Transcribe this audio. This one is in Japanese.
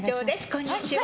こんにちは。